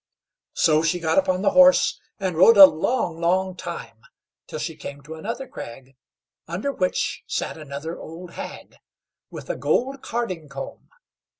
So she got upon the horse, and rode a long, long time, till she came to another crag, under which sat another old hag, with a gold carding comb.